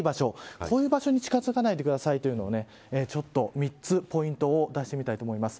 こういう場所に近づかないでくださいというのを３つポイントを出してみたいと思います。